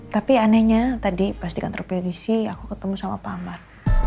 tapi anehnya tadi pas di kantor polisi aku ketemu sama pak amar